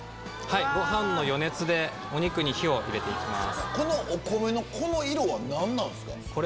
ご飯の余熱でお肉に火を入れていきます。